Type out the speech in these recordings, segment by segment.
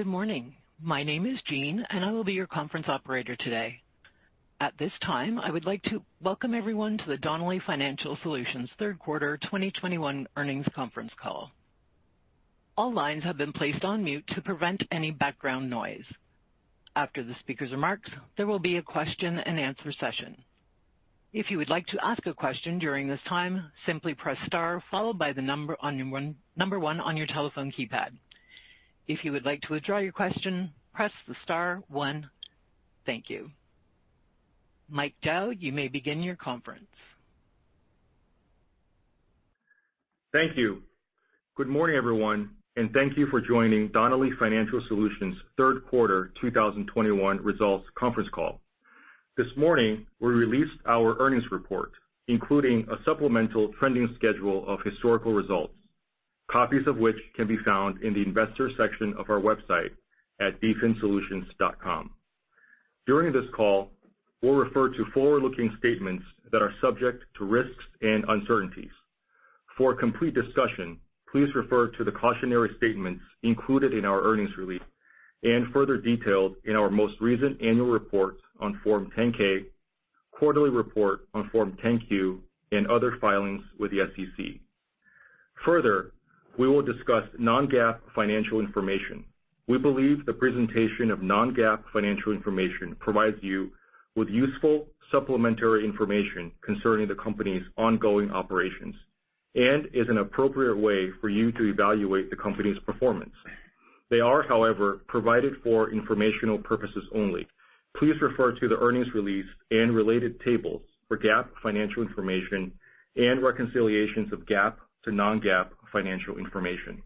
Good morning. My name is Jean, and I will be your conference operator today. At this time, I would like to welcome everyone to the Donnelley Financial Solutions Third Quarter 2021 Earnings Conference Call. All lines have been placed on mute to prevent any background noise. After the speaker's remarks, there will be a question-and-answer session. If you would like to ask a question during this time, simply press star followed by the number one on your telephone keypad. If you would like to withdraw your question, press star one. Thank you. Mike Zhao, you may begin your conference. Thank you. Good morning, everyone, and thank you for joining Donnelley Financial Solutions third quarter 2021 results conference call. This morning, we released our earnings report, including a supplemental trending schedule of historical results, copies of which can be found in the Investors section of our website at dfinsolutions.com. During this call, we'll refer to forward-looking statements that are subject to risks and uncertainties. For a complete discussion, please refer to the cautionary statements included in our earnings release and further detailed in our most recent annual reports on Form 10-K, quarterly report on Form 10-Q, and other filings with the SEC. Further, we will discuss non-GAAP financial information. We believe the presentation of non-GAAP financial information provides you with useful supplementary information concerning the company's ongoing operations and is an appropriate way for you to evaluate the company's performance. They are, however, provided for informational purposes only. Please refer to the earnings release and related tables for GAAP financial information and reconciliations of GAAP to non-GAAP financial information.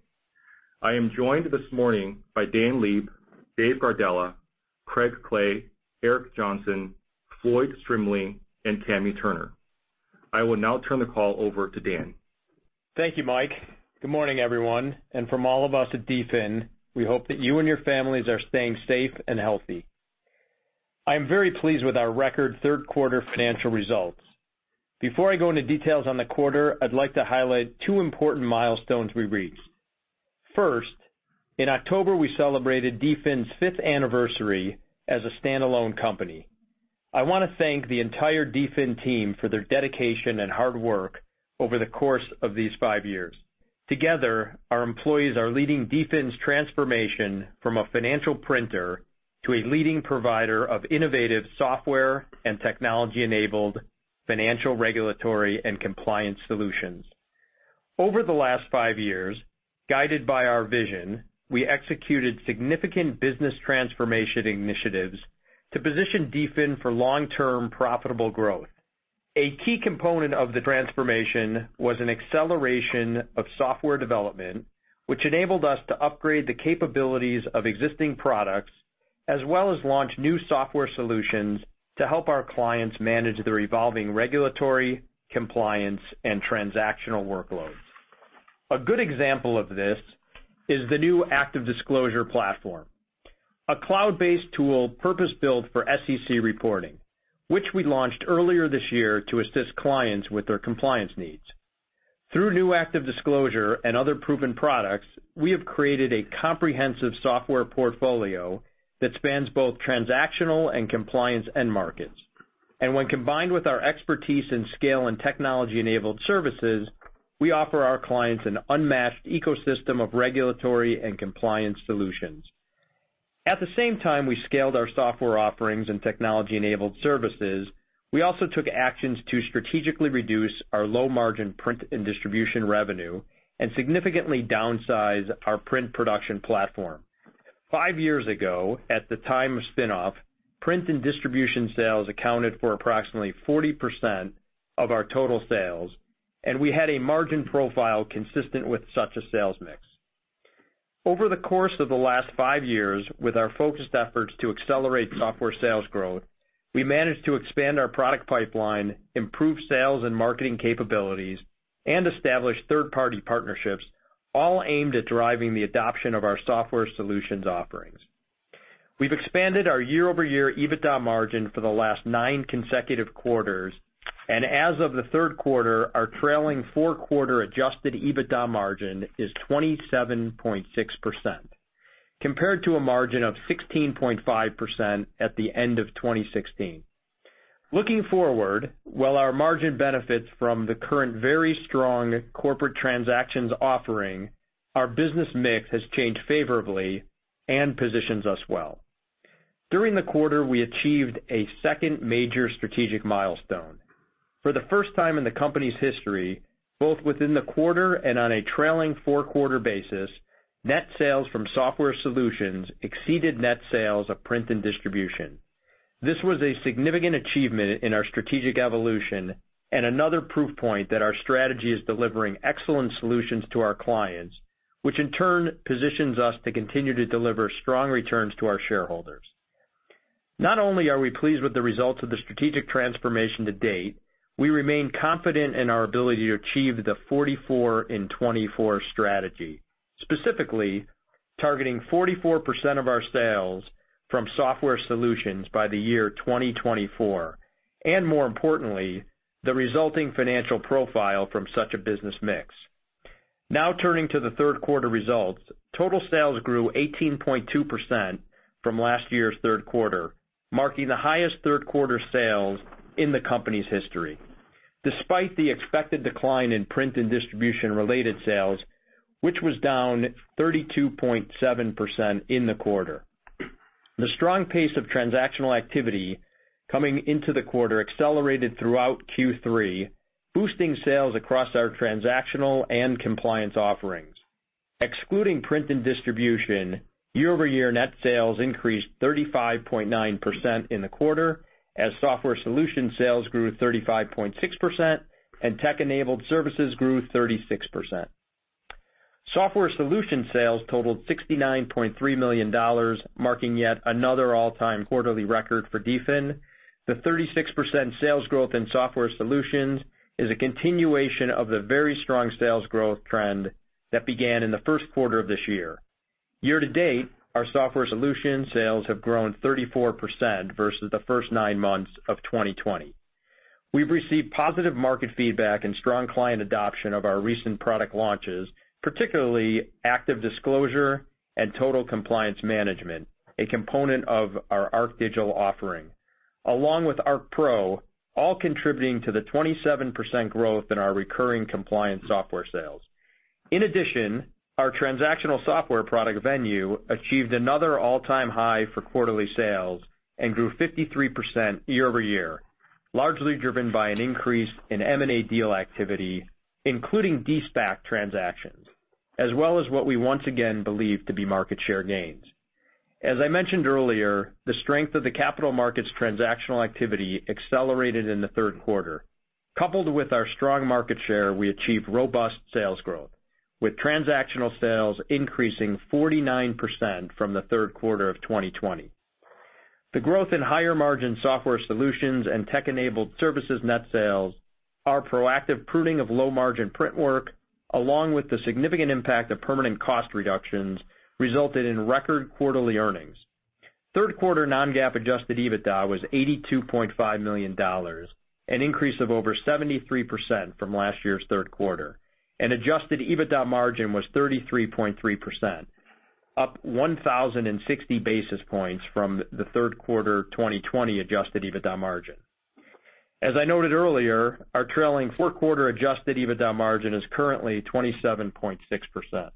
I am joined this morning by Dan Leib, Dave Gardella, Craig Clay, Eric Johnson, Floyd Strimling, and Tammy Turner. I will now turn the call over to Dan. Thank you, Mike. Good morning, everyone. From all of us at DFIN, we hope that you and your families are staying safe and healthy. I am very pleased with our record third quarter financial results. Before I go into details on the quarter, I'd like to highlight two important milestones we reached. First, in October, we celebrated DFIN's fifth anniversary as a standalone company. I want to thank the entire DFIN team for their dedication and hard work over the course of these five years. Together, our employees are leading DFIN's transformation from a financial printer to a leading provider of innovative software and technology-enabled financial, regulatory, and compliance solutions. Over the last five years, guided by our vision, we executed significant business transformation initiatives to position DFIN for long-term profitable growth. A key component of the transformation was an acceleration of software development, which enabled us to upgrade the capabilities of existing products, as well as launch new software solutions to help our clients manage their evolving regulatory, compliance, and transactional workloads. A good example of this is the new ActiveDisclosure platform, a cloud-based tool purpose-built for SEC reporting, which we launched earlier this year to assist clients with their compliance needs. Through new ActiveDisclosure and other proven products, we have created a comprehensive software portfolio that spans both transactional and compliance end markets. When combined with our expertise in scale and technology-enabled services, we offer our clients an unmatched ecosystem of regulatory and compliance solutions. At the same time we scaled our software offerings and technology-enabled services, we also took actions to strategically reduce our low-margin print and distribution revenue and significantly downsize our print production platform. Five years ago, at the time of spin-off, print and distribution sales accounted for approximately 40% of our total sales, and we had a margin profile consistent with such a sales mix. Over the course of the last five years, with our focused efforts to accelerate software sales growth, we managed to expand our product pipeline, improve sales and marketing capabilities, and establish third-party partnerships, all aimed at driving the adoption of our software solutions offerings. We've expanded our year-over-year EBITDA margin for the last nine consecutive quarters, and as of the third quarter, our trailing four-quarter adjusted EBITDA margin is 27.6%, compared to a margin of 16.5% at the end of 2016. Looking forward, while our margin benefits from the current very strong corporate transactions offering, our business mix has changed favorably and positions us well. During the quarter, we achieved a second major strategic milestone. For the first time in the company's history, both within the quarter and on a trailing four-quarter basis, net sales from software solutions exceeded net sales of print and distribution. This was a significant achievement in our strategic evolution and another proof point that our strategy is delivering excellent solutions to our clients, which in turn positions us to continue to deliver strong returns to our shareholders. Not only are we pleased with the results of the strategic transformation to date, we remain confident in our ability to achieve the 44 in 2024 strategy, specifically targeting 44% of our sales from software solutions by the year 2024. More importantly, the resulting financial profile from such a business mix. Now turning to the third quarter results. Total sales grew 18.2% from last year's third quarter, marking the highest third quarter sales in the company's history, despite the expected decline in print and distribution-related sales, which was down 32.7% in the quarter. The strong pace of transactional activity coming into the quarter accelerated throughout Q3, boosting sales across our transactional and compliance offerings. Excluding print and distribution, year-over-year net sales increased 35.9% in the quarter as software solution sales grew 35.6% and tech-enabled services grew 36%. Software solution sales totaled $69.3 million, marking yet another all-time quarterly record for DFIN. The 36% sales growth in software solutions is a continuation of the very strong sales growth trend that began in the first quarter of this year. Year-to-date, our software solution sales have grown 34% versus the first nine months of 2020. We've received positive market feedback and strong client adoption of our recent product launches, particularly ActiveDisclosure and Total Compliance Management, a component of our ArcDigital offering, along with ArcPro, all contributing to the 27% growth in our recurring compliance software sales. In addition, our transactional software product Venue achieved another all-time high for quarterly sales and grew 53% year-over-year, largely driven by an increase in M&A deal activity, including de-SPAC transactions, as well as what we once again believe to be market share gains. As I mentioned earlier, the strength of the capital markets transactional activity accelerated in the third quarter. Coupled with our strong market share, we achieved robust sales growth, with transactional sales increasing 49% from the third quarter of 2020. The growth in higher-margin software solutions and tech-enabled services net sales are proactive pruning of low-margin print work, along with the significant impact of permanent cost reductions resulted in record quarterly earnings. Third quarter non-GAAP adjusted EBITDA was $82.5 million, an increase of over 73% from last year's third quarter, and adjusted EBITDA margin was 33.3%, up 1,060 basis points from the third quarter 2020 adjusted EBITDA margin. As I noted earlier, our trailing fourth quarter adjusted EBITDA margin is currently 27.6%.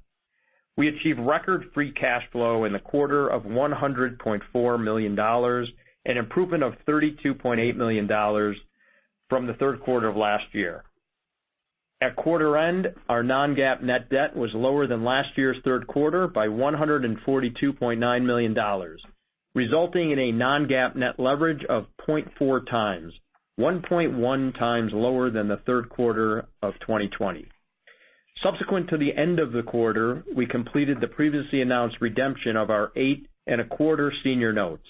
We achieved record free cash flow in the quarter of $100.4 million, an improvement of $32.8 million from the third quarter of last year. At quarter end, our non-GAAP net debt was lower than last year's third quarter by $142.9 million, resulting in a non-GAAP net leverage of 0.4x, 1.1x lower than the third quarter of 2020. Subsequent to the end of the quarter, we completed the previously announced redemption of our 8.25% Senior Notes.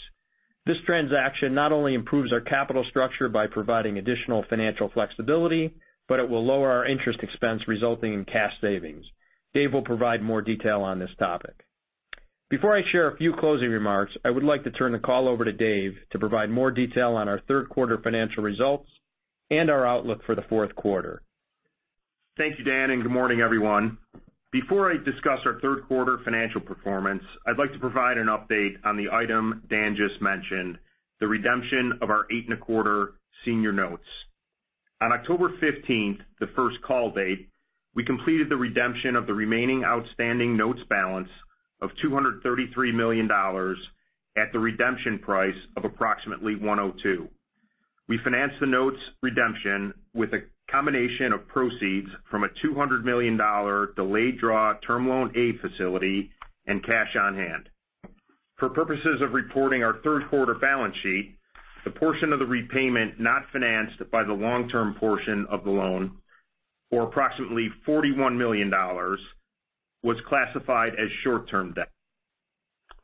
This transaction not only improves our capital structure by providing additional financial flexibility, but it will lower our interest expense resulting in cash savings. Dave will provide more detail on this topic. Before I share a few closing remarks, I would like to turn the call over to Dave to provide more detail on our third quarter financial results and our outlook for the fourth quarter. Thank you, Dan, and good morning, everyone. Before I discuss our third quarter financial performance, I'd like to provide an update on the item Dan just mentioned, the redemption of our 8.25% Senior Notes. On October 15, the first call date, we completed the redemption of the remaining outstanding notes balance of $233 million at the redemption price of approximately 102. We financed the notes redemption with a combination of proceeds from a $200 million delayed draw Term Loan A Facility and cash on hand. For purposes of reporting our third quarter balance sheet, the portion of the repayment not financed by the long-term portion of the loan, or approximately $41 million, was classified as short-term debt.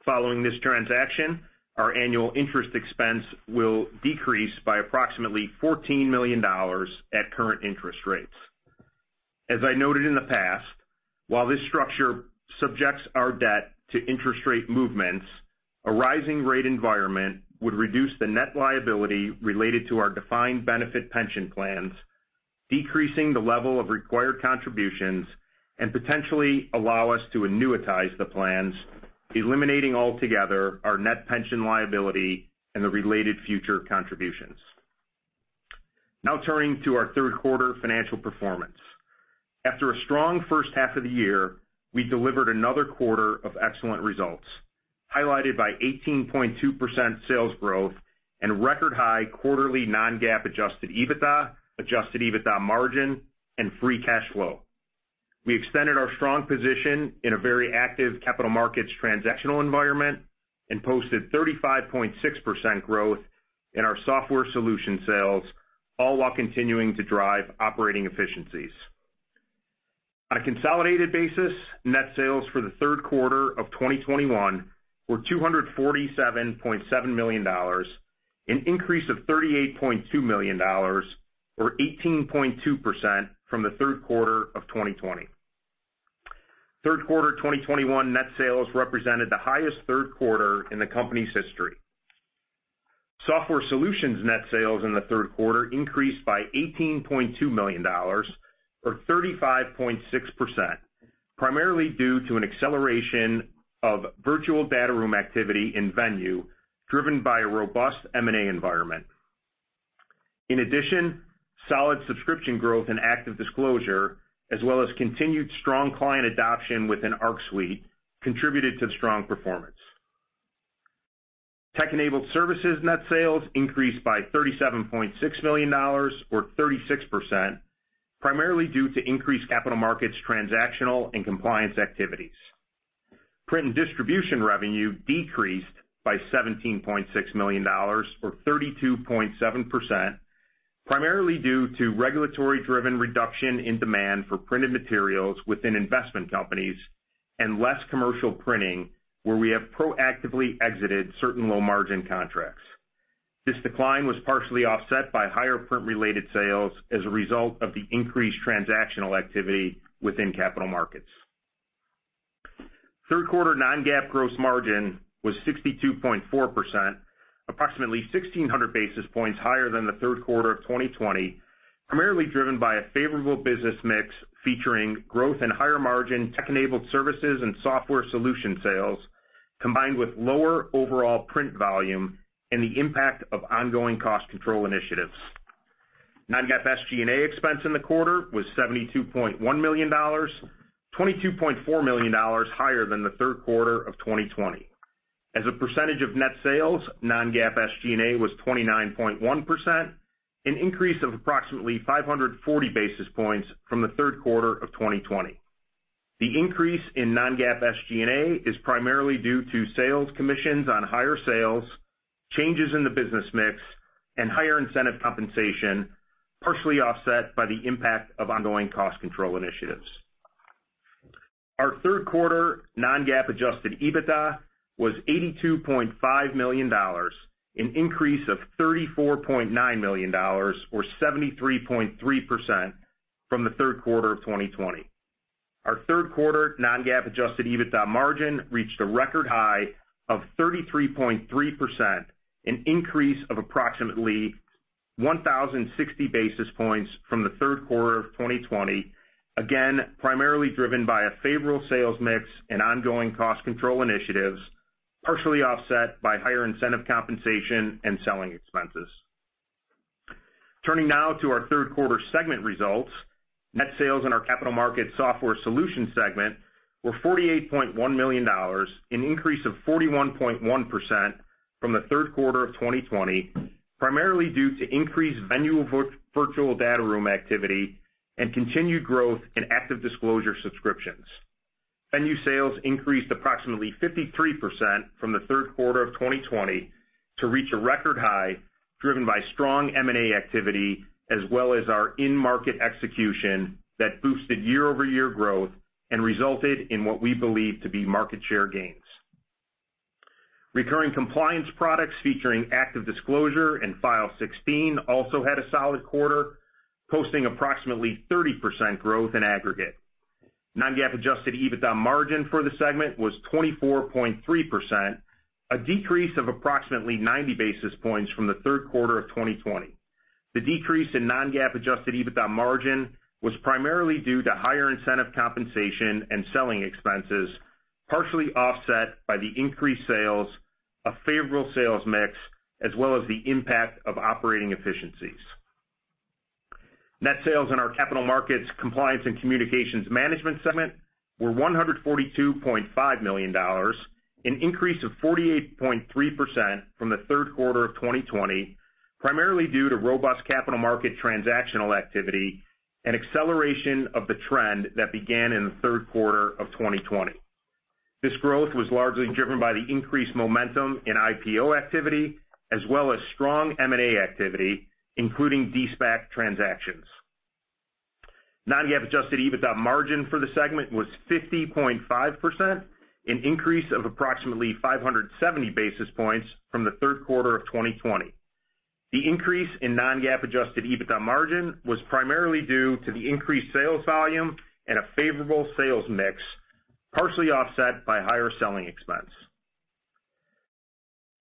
Following this transaction, our annual interest expense will decrease by approximately $14 million at current interest rates. As I noted in the past, while this structure subjects our debt to interest rate movements, a rising rate environment would reduce the net liability related to our defined benefit pension plans, decreasing the level of required contributions and potentially allow us to annuitize the plans, eliminating altogether our net pension liability and the related future contributions. Now turning to our third quarter financial performance. After a strong first half of the year, we delivered another quarter of excellent results, highlighted by 18.2% sales growth and record high quarterly non-GAAP adjusted EBITDA, adjusted EBITDA margin, and free cash flow. We extended our strong position in a very active capital markets transactional environment and posted 35.6% growth in our software solution sales, all while continuing to drive operating efficiencies. On a consolidated basis, net sales for the third quarter of 2021 were $247.7 million, an increase of $38.2 million, or 18.2% from the third quarter of 2020. Third quarter 2021 net sales represented the highest third quarter in the company's history. Software solutions net sales in the third quarter increased by $18.2 million or 35.6%, primarily due to an acceleration of virtual data room activity in Venue, driven by a robust M&A environment. In addition, solid subscription growth and ActiveDisclosure, as well as continued strong client adoption within Arc Suite contributed to the strong performance. Tech-enabled services net sales increased by $37.6 million or 36%, primarily due to increased capital markets transactional and compliance activities. Print and distribution revenue decreased by $17.6 million or 32.7%, primarily due to regulatory-driven reduction in demand for printed materials within investment companies and less commercial printing where we have proactively exited certain low-margin contracts. This decline was partially offset by higher print-related sales as a result of the increased transactional activity within capital markets. Third quarter non-GAAP gross margin was 62.4%, approximately 1,600 basis points higher than the third quarter of 2020, primarily driven by a favorable business mix featuring growth in higher margin tech-enabled services and software solution sales, combined with lower overall print volume and the impact of ongoing cost control initiatives. Non-GAAP SG&A expense in the quarter was $72.1 million, $22.4 million higher than the third quarter of 2020. As a percentage of net sales, non-GAAP SG&A was 29.1%, an increase of approximately 540 basis points from the third quarter of 2020. The increase in non-GAAP SG&A is primarily due to sales commissions on higher sales, changes in the business mix, and higher incentive compensation, partially offset by the impact of ongoing cost control initiatives. Our third quarter non-GAAP adjusted EBITDA was $82.5 million, an increase of $34.9 million or 73.3% from the third quarter of 2020. Our third quarter non-GAAP adjusted EBITDA margin reached a record high of 33.3%, an increase of approximately 1,060 basis points from the third quarter of 2020, again, primarily driven by a favorable sales mix and ongoing cost control initiatives, partially offset by higher incentive compensation and selling expenses. Turning now to our third quarter segment results. Net sales in our capital market software solution segment were $48.1 million, an increase of 41.1% from the third quarter of 2020, primarily due to increased Venue virtual data room activity and continued growth in ActiveDisclosure subscriptions. Venue sales increased approximately 53% from the third quarter of 2020 to reach a record high, driven by strong M&A activity, as well as our in-market execution that boosted year-over-year growth and resulted in what we believe to be market share gains. Recurring compliance products featuring ActiveDisclosure and File16 also had a solid quarter, posting approximately 30% growth in aggregate. Non-GAAP adjusted EBITDA margin for the segment was 24.3%, a decrease of approximately 90 basis points from the third quarter of 2020. The decrease in non-GAAP adjusted EBITDA margin was primarily due to higher incentive compensation and selling expenses, partially offset by the increased sales, a favorable sales mix, as well as the impact of operating efficiencies. Net sales in our capital markets compliance and communications management segment were $142.5 million, an increase of 48.3% from the third quarter of 2020, primarily due to robust capital market transactional activity and acceleration of the trend that began in the third quarter of 2020. This growth was largely driven by the increased momentum in IPO activity as well as strong M&A activity, including de-SPAC transactions. Non-GAAP adjusted EBITDA margin for the segment was 50.5%, an increase of approximately 570 basis points from the third quarter of 2020. The increase in non-GAAP adjusted EBITDA margin was primarily due to the increased sales volume and a favorable sales mix, partially offset by higher selling expense.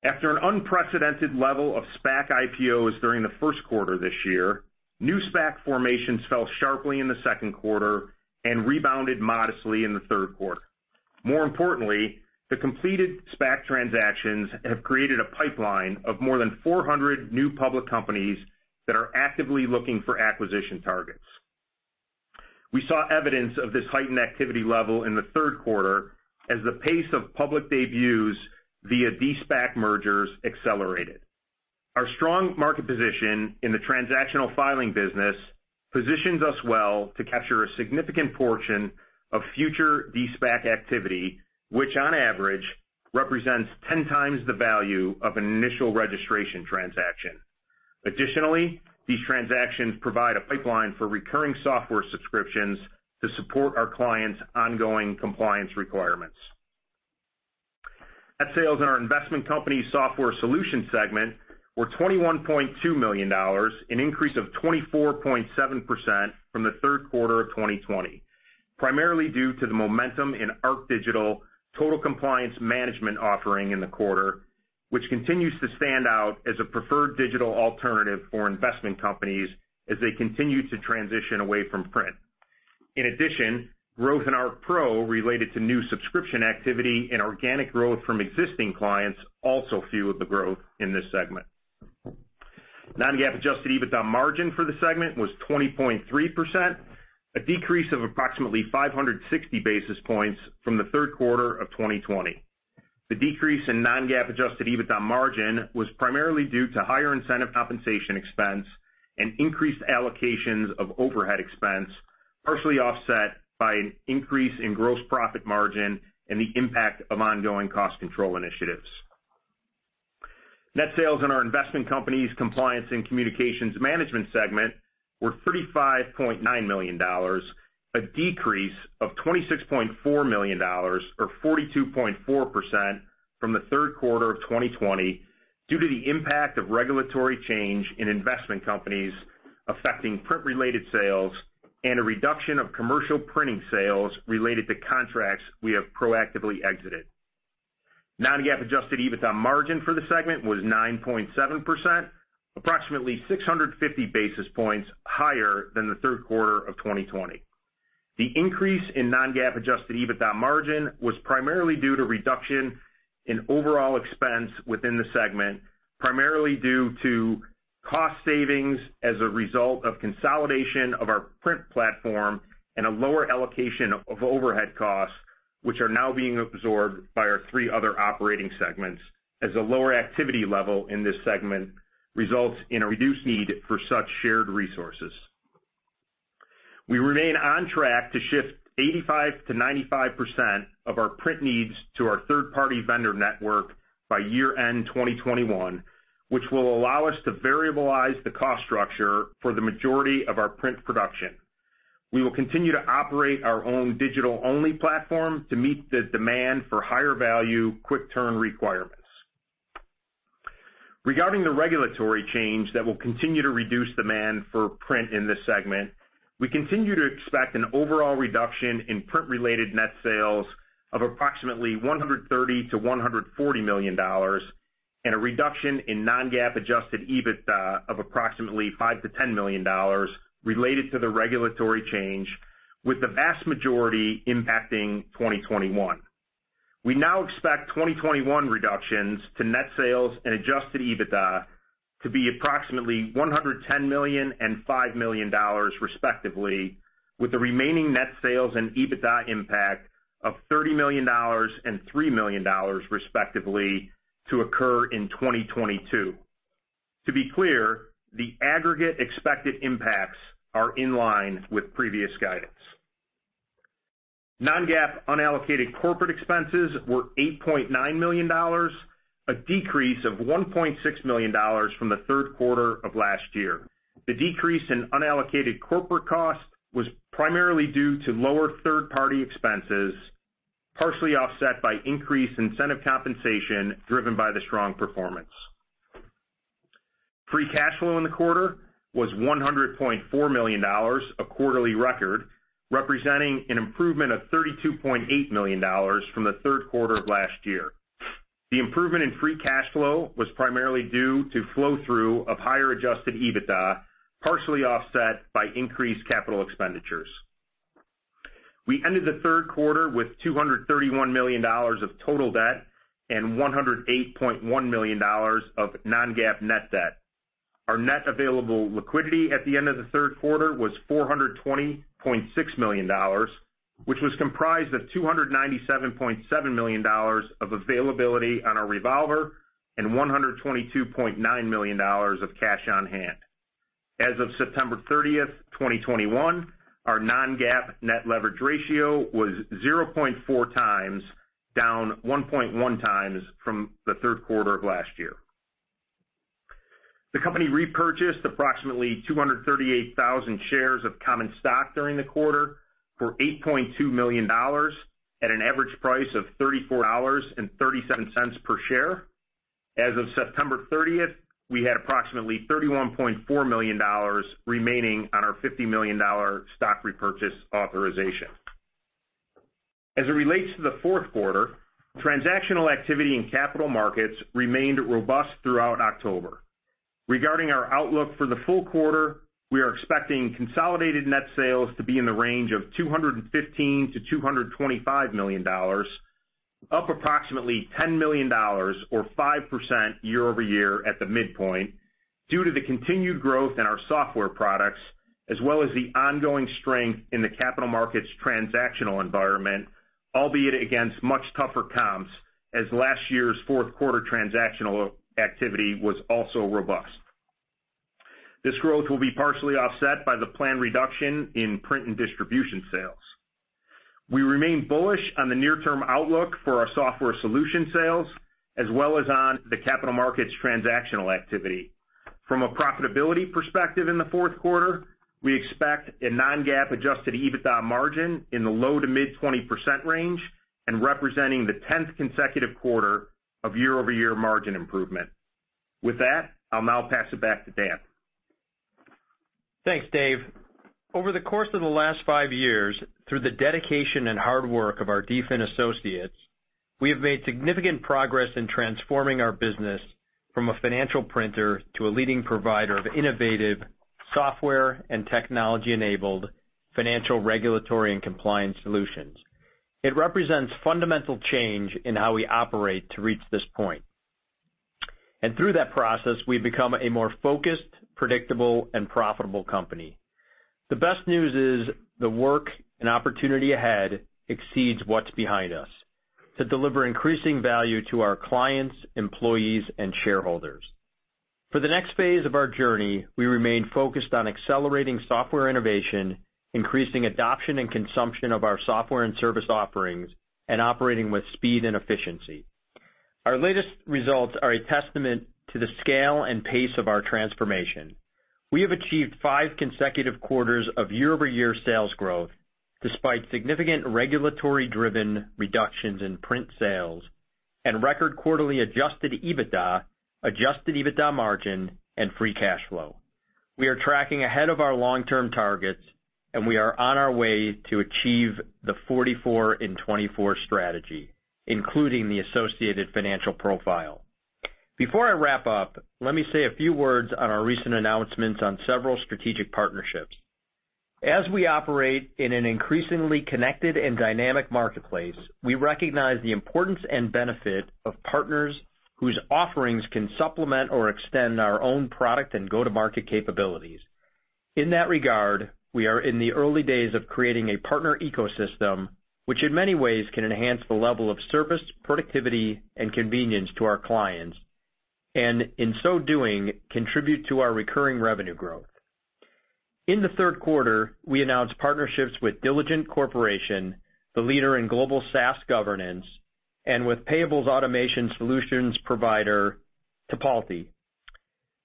After an unprecedented level of SPAC IPOs during the first quarter this year, new SPAC formations fell sharply in the second quarter and rebounded modestly in the third quarter. More importantly, the completed SPAC transactions have created a pipeline of more than 400 new public companies that are actively looking for acquisition targets. We saw evidence of this heightened activity level in the third quarter as the pace of public debuts via de-SPAC mergers accelerated. Our strong market position in the transactional filing business positions us well to capture a significant portion of future de-SPAC activity, which on average represents 10 times the value of an initial registration transaction. Additionally, these transactions provide a pipeline for recurring software subscriptions to support our clients' ongoing compliance requirements. Net sales in our investment company software solution segment were $21.2 million, an increase of 24.7% from the third quarter of 2020, primarily due to the momentum in ArcDigital Total Compliance Management offering in the quarter, which continues to stand out as a preferred digital alternative for investment companies as they continue to transition away from print. In addition, growth in our ArcPro related to new subscription activity and organic growth from existing clients also fueled the growth in this segment. Non-GAAP adjusted EBITDA margin for the segment was 20.3%, a decrease of approximately 560 basis points from the third quarter of 2020. The decrease in non-GAAP adjusted EBITDA margin was primarily due to higher incentive compensation expense and increased allocations of overhead expense, partially offset by an increase in gross profit margin and the impact of ongoing cost control initiatives. Net sales in our Investment Companies Compliance and Communications Management segment were $35.9 million, a decrease of $26.4 million, or 42.4% from the third quarter of 2020 due to the impact of regulatory change in investment companies affecting print-related sales and a reduction of commercial printing sales related to contracts we have proactively exited. Non-GAAP adjusted EBITDA margin for the segment was 9.7%, approximately 650 basis points higher than the third quarter of 2020. The increase in non-GAAP adjusted EBITDA margin was primarily due to reduction in overall expense within the segment, primarily due to cost savings as a result of consolidation of our print platform and a lower allocation of overhead costs, which are now being absorbed by our three other operating segments as a lower activity level in this segment results in a reduced need for such shared resources. We remain on track to shift 85% to 95% of our print needs to our third-party vendor network by year-end 2021, which will allow us to variabilize the cost structure for the majority of our print production. We will continue to operate our own digital-only platform to meet the demand for higher value, quick turn requirements. Regarding the regulatory change that will continue to reduce demand for print in this segment, we continue to expect an overall reduction in print-related net sales of approximately $130 million to $140 million and a reduction in non-GAAP adjusted EBITDA of approximately $5 million to $10 million related to the regulatory change with the vast majority impacting 2021. We now expect 2021 reductions to net sales and adjusted EBITDA to be approximately $110 million and $5 million respectively, with the remaining net sales and EBITDA impact of $30 million and $3 million respectively to occur in 2022. To be clear, the aggregate expected impacts are in line with previous guidance. Non-GAAP unallocated corporate expenses were $8.9 million, a decrease of $1.6 million from the third quarter of last year. The decrease in unallocated corporate cost was primarily due to lower third-party expenses, partially offset by increased incentive compensation driven by the strong performance. Free cash flow in the quarter was $100.4 million, a quarterly record, representing an improvement of $32.8 million from the third quarter of last year. The improvement in free cash flow was primarily due to flow through of higher adjusted EBITDA, partially offset by increased capital expenditures. We ended the third quarter with $231 million of total debt and $108.1 million of non-GAAP net debt. Our net available liquidity at the end of the third quarter was $420.6 million, which was comprised of $297.7 million of availability on our revolver and $122.9 million of cash on hand. As of September 30th, 2021, our non-GAAP net leverage ratio was 0.4x, down 1.1x from the third quarter of last year. The company repurchased approximately 238,000 shares of common stock during the quarter for $8.2 million at an average price of $34.37 per share. As of September 30th, we had approximately $31.4 million remaining on our $50 million stock repurchase authorization. As it relates to the fourth quarter, transactional activity in capital markets remained robust throughout October. Regarding our outlook for the full quarter, we are expecting consolidated net sales to be in the range of $215 million to $225 million, up approximately $10 million or 5% year-over-year at the midpoint due to the continued growth in our software products as well as the ongoing strength in the capital markets transactional environment, albeit against much tougher comps as last year's fourth quarter transactional activity was also robust. This growth will be partially offset by the planned reduction in print and distribution sales. We remain bullish on the near-term outlook for our software solution sales, as well as on the capital markets transactional activity. From a profitability perspective in the fourth quarter, we expect a non-GAAP adjusted EBITDA margin in the low- to mid-20% range and representing the tenth consecutive quarter of year-over-year margin improvement. With that, I'll now pass it back to Dan. Thanks, Dave. Over the course of the last five years, through the dedication and hard work of our DFIN associates, we have made significant progress in transforming our business from a financial printer to a leading provider of innovative software and technology-enabled financial regulatory and compliance solutions. It represents fundamental change in how we operate to reach this point. Through that process, we've become a more focused, predictable, and profitable company. The best news is the work and opportunity ahead exceeds what's behind us to deliver increasing value to our clients, employees, and shareholders. For the next phase of our journey, we remain focused on accelerating software innovation, increasing adoption and consumption of our software and service offerings, and operating with speed and efficiency. Our latest results are a testament to the scale and pace of our transformation. We have achieved five consecutive quarters of year-over-year sales growth despite significant regulatory-driven reductions in print sales and record quarterly adjusted EBITDA, adjusted EBITDA margin, and free cash flow. We are tracking ahead of our long-term targets, and we are on our way to achieve the 44 in 2024 strategy, including the associated financial profile. Before I wrap up, let me say a few words on our recent announcements on several strategic partnerships. As we operate in an increasingly connected and dynamic marketplace, we recognize the importance and benefit of partners whose offerings can supplement or extend our own product and go-to-market capabilities. In that regard, we are in the early days of creating a partner ecosystem, which in many ways can enhance the level of service, productivity, and convenience to our clients, and in so doing, contribute to our recurring revenue growth. In the third quarter, we announced partnerships with Diligent Corporation, the leader in global SaaS governance, and with payables automation solutions provider Tipalti.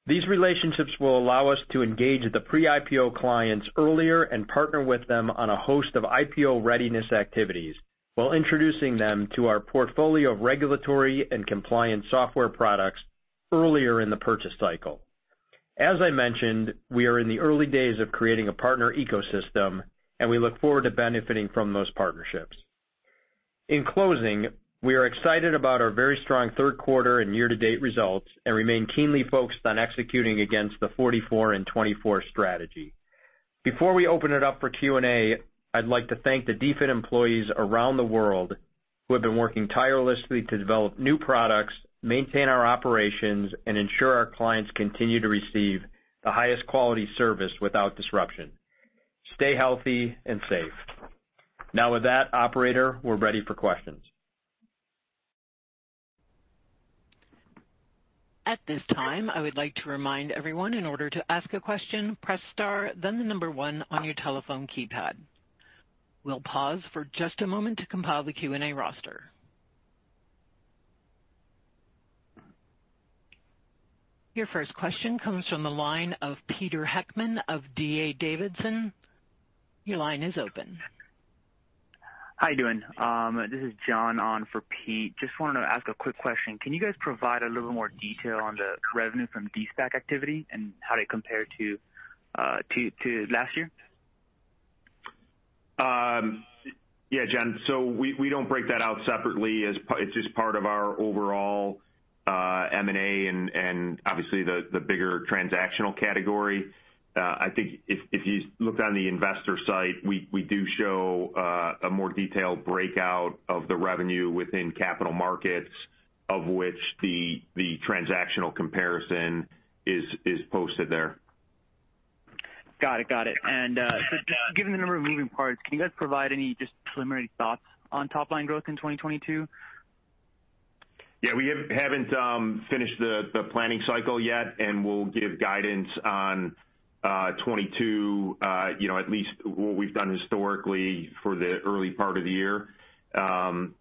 These relationships will allow us to engage the pre-IPO clients earlier and partner with them on a host of IPO readiness activities while introducing them to our portfolio of regulatory and compliance software products earlier in the purchase cycle. As I mentioned, we are in the early days of creating a partner ecosystem, and we look forward to benefiting from those partnerships. In closing, we are excited about our very strong third quarter and year-to-date results and remain keenly focused on executing against the 44 in 2024 strategy. Before we open it up for Q&A, I'd like to thank the DFIN employees around the world who have been working tirelessly to develop new products, maintain our operations, and ensure our clients continue to receive the highest quality service without disruption. Stay healthy and safe. Now with that, operator, we're ready for questions. At this time, I would like to remind everyone, in order to ask a question, press star then the number one on your telephone keypad. We'll pause for just a moment to compile the Q&A roster. Your first question comes from the line of Peter Heckmann of D.A. Davidson. Your line is open. How you doing? This is John on for Pete. Just wanted to ask a quick question. Can you guys provide a little more detail on the revenue from de-SPAC activity and how they compare to last year? John. We don't break that out separately. It's just part of our overall M&A and obviously the bigger transactional category. I think if you look on the investor site, we do show a more detailed breakout of the revenue within capital markets of which the transactional comparison is posted there. Got it. Just given the number of moving parts, can you guys provide any just preliminary thoughts on top line growth in 2022? We haven't finished the planning cycle yet, and we'll give guidance on 2022, you know, at least what we've done historically for the early part of the year, on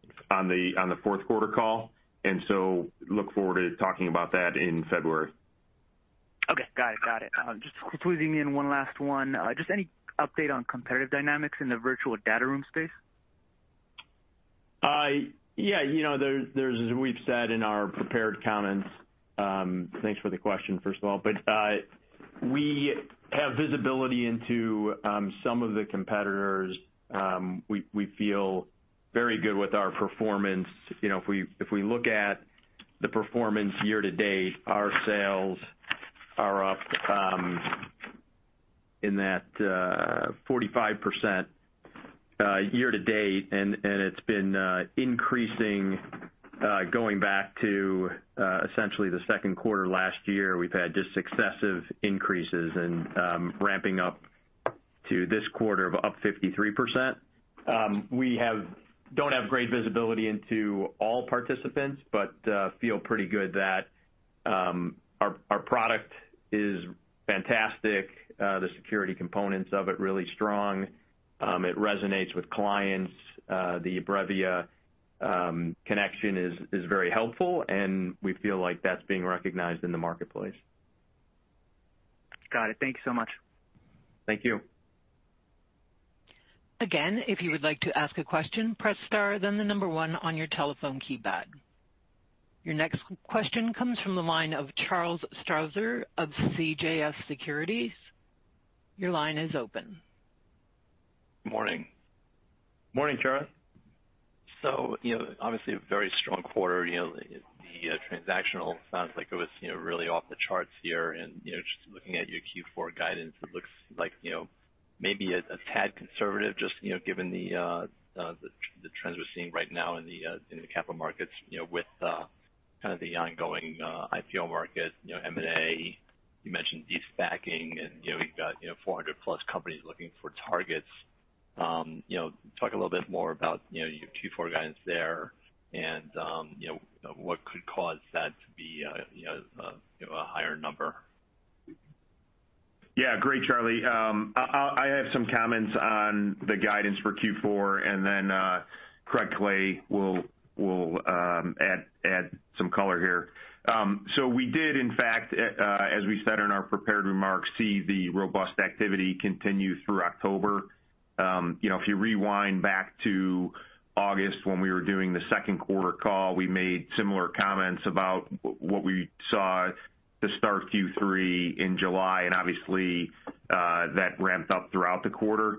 the fourth quarter call. Look forward to talking about that in February. Okay. Got it. Just squeezing in one last one. Just any update on competitive dynamics in the virtual data room space? You know, there's, as we've said in our prepared comments. Thanks for the question, first of all. We have visibility into some of the competitors. We feel very good with our performance. You know, if we look at the performance year to date, our sales are up in that 45% year-to-date, and it's been increasing going back to essentially the second quarter last year. We've had just successive increases and ramping up to this quarter of up 53%. We don't have great visibility into all participants, but feel pretty good that our product is fantastic. The security components of it really strong. It resonates with clients. The eBrevia connection is very helpful, and we feel like that's being recognized in the marketplace. Got it. Thank you so much. Thank you. Your next question comes from the line of Charles Strauzer of CJS Securities. Your line is open. Morning. Morning, Charles. You know, obviously a very strong quarter. You know, the transactional sounds like it was, you know, really off the charts here. You know, just looking at your Q4 guidance, it looks like, you know, maybe a tad conservative just, you know, given the trends we're seeing right now in the capital markets, you know, with kind of the ongoing IPO market, you know, M&A, you mentioned de-SPACing. You know, we've got, you know, 400+ companies looking for targets. You know, talk a little bit more about, you know, your Q4 guidance there and, you know, what could cause that to be, you know, a higher number. Great, Charlie. I have some comments on the guidance for Q4, and then, Craig Clay will add some color here. We did in fact, as we said in our prepared remarks, see the robust activity continue through October. You know, if you rewind back to August when we were doing the second quarter call, we made similar comments about what we saw to start Q3 in July, and obviously, that ramped up throughout the quarter.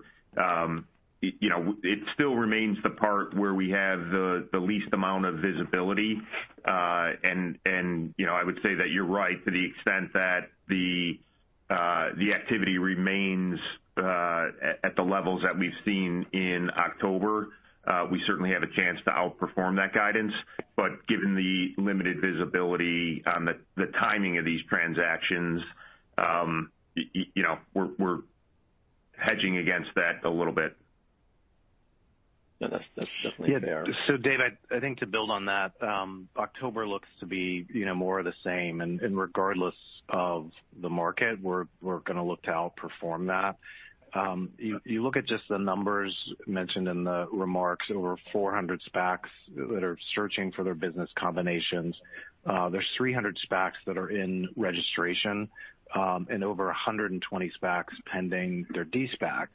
You know, it still remains the part where we have the least amount of visibility. You know, I would say that you're right to the extent that the activity remains at the levels that we've seen in October. We certainly have a chance to outperform that guidance. Given the limited visibility on the timing of these transactions, you know, we're hedging against that a little bit. That's definitely fair. Dave, I think to build on that, October looks to be, you know, more of the same. Regardless of the market, we're gonna look to outperform that. You look at just the numbers mentioned in the remarks, over 400 SPACs that are searching for their business combinations. There's 300 SPACs that are in registration, and over 120 SPACs pending their de-SPAC.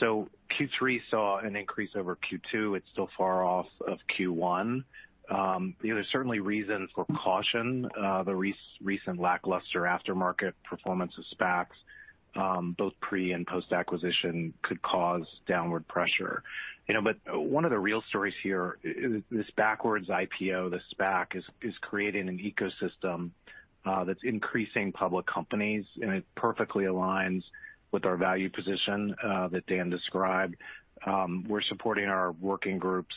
Q3 saw an increase over Q2. It's still far off of Q1. You know, there's certainly reason for caution. The recent lackluster aftermarket performance of SPACs, both pre and post-acquisition could cause downward pressure. You know, one of the real stories here, this backwards IPO, the SPAC, is creating an ecosystem that's increasing public companies, and it perfectly aligns with our value position that Dan described. We're supporting our working groups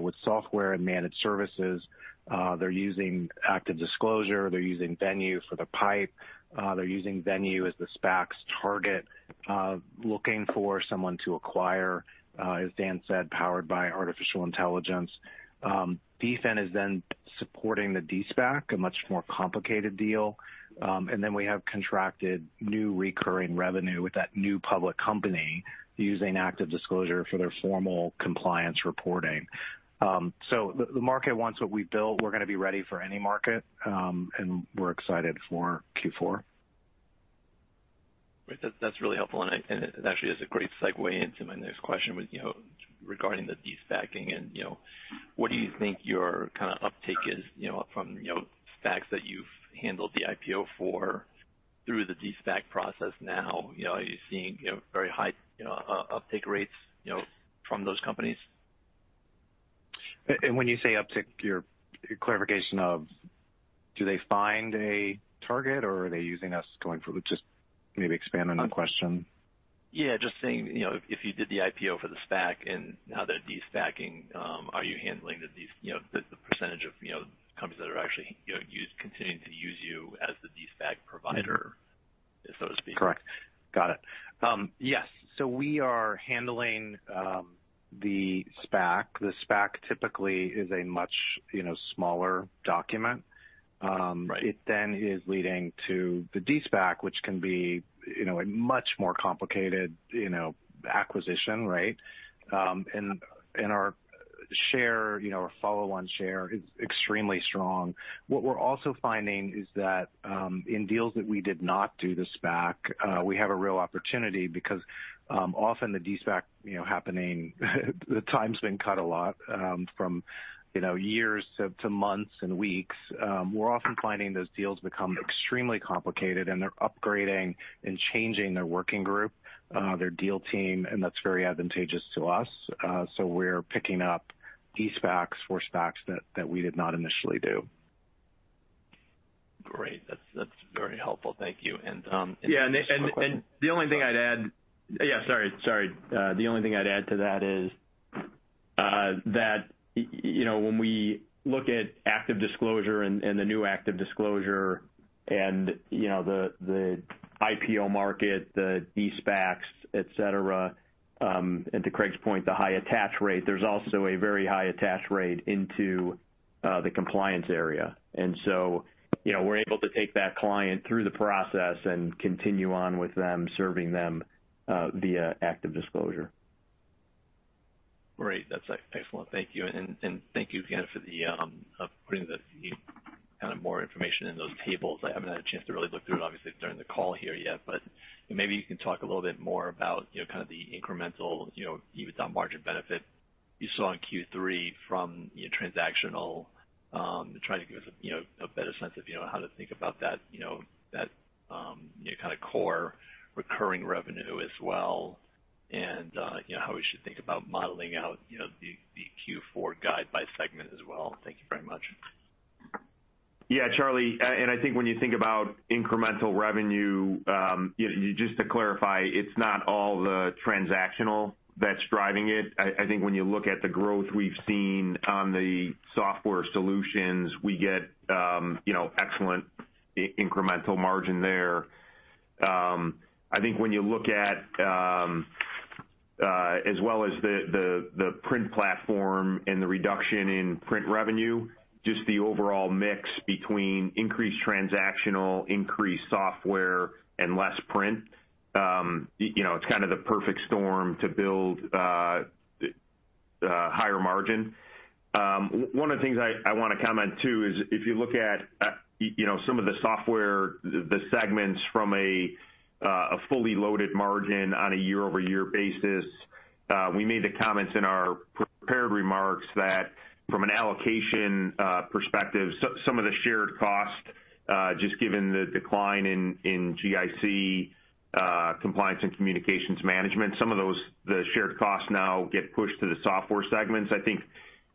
with software and managed services. They're using ActiveDisclosure. They're using Venue for the PIPE. They're using Venue as the SPAC's target, looking for someone to acquire, as Dan said, powered by artificial intelligence. DFIN is then supporting the de-SPAC, a much more complicated deal. Then we have contracted new recurring revenue with that new public company using ActiveDisclosure for their formal compliance reporting. The market wants what we built. We're gonna be ready for any market, and we're excited for Q4. Great. That's really helpful, and it actually is a great segue into my next question with, you know, regarding the de-SPACing and, you know, what do you think your kind of uptake is, you know, from, you know, SPACs that you've handled the IPO for through the de-SPAC process now? You know, are you seeing, you know, very high, you know, uptake rates, you know, from those companies? When you say uptick, your clarification of do they find a target or are they using us going forward. Just maybe expand on the question. Just saying, you know, if you did the IPO for the SPAC and now they're de-SPACing, are you handling the, you know, the percentage of, you know, companies that are actually, you know, continuing to use you as the de-SPAC provider, so to speak? Correct. Got it. Yes. We are handling the SPAC. The SPAC typically is a much, you know, smaller document. It then is leading to the de-SPAC, which can be, you know, a much more complicated, you know, acquisition, right? Our share, you know, our follow-on share is extremely strong. What we're also finding is that in deals that we did not do the SPAC, we have a real opportunity because often the de-SPAC, you know, happening, the time's been cut a lot from, you know, years to months and weeks. We're often finding those deals become extremely complicated, and they're upgrading and changing their working group, their deal team, and that's very advantageous to us. We're picking up de-SPACs for SPACs that we did not initially do. Great. That's very helpful. Thank you. Just a quick question? The only thing I'd add to that is that you know when we look at ActiveDisclosure and the new ActiveDisclosure and you know the IPO market the de-SPACs et cetera and to Craig's point the high attach rate there's also a very high attach rate into the compliance area. You know we're able to take that client through the process and continue on with them serving them via ActiveDisclosure. Great. That's excellent. Thank you. Thank you again for putting the kind of more information in those tables. I haven't had a chance to really look through it, obviously, during the call here yet, but maybe you can talk a little bit more about, you know, kind of the incremental, you know, EBITDA margin benefit you saw in Q3 from, you know, transactional to try to give us, you know, a better sense of, you know, how to think about that, you know, that, you know, kind of core recurring revenue as well and, you know, how we should think about modeling out, you know, the Q4 guide by segment as well. Thank you very much. Charlie, I think when you think about incremental revenue, you know, just to clarify, it's not all the transactional that's driving it. I think when you look at the growth we've seen on the software solutions, we get, you know, excellent incremental margin there. I think when you look at, as well as the print platform and the reduction in print revenue, just the overall mix between increased transactional, increased software and less print, you know, it's kind of the perfect storm to build higher margin. One of the things I wanna comment too is if you look at, you know, some of the software, the segments from a fully loaded margin on a year-over-year basis, we made the comments in our prepared remarks that from an allocation perspective, so some of the shared cost, just given the decline in GIC, compliance and communications management, some of those shared costs now get pushed to the software segments. I think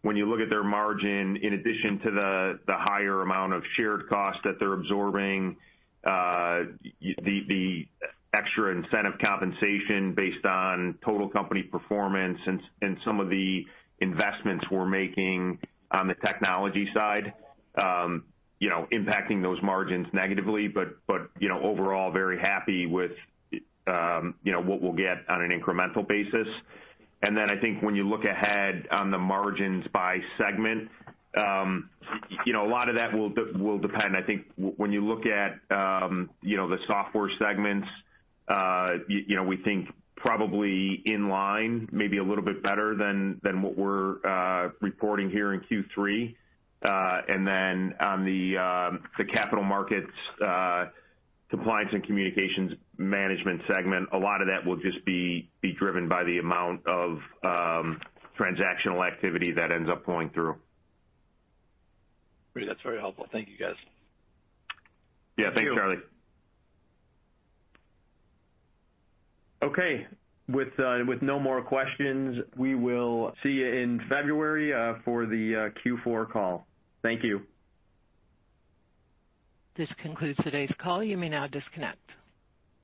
when you look at their margin, in addition to the higher amount of shared costs that they're absorbing, the extra incentive compensation based on total company performance and some of the investments we're making on the technology side, you know, impacting those margins negatively. You know, overall very happy with you know what we'll get on an incremental basis. I think when you look ahead on the margins by segment, a lot of that will depend. I think when you look at the software segments, we think probably in line maybe a little bit better than what we're reporting here in Q3. On the Capital Markets, Compliance and Communications Management segment, a lot of that will just be driven by the amount of transactional activity that ends up going through. Great. That's very helpful. Thank you, guys. Thanks, Charlie. Okay. With no more questions, we will see you in February for the Q4 call. Thank you. This concludes today's call. You may now disconnect.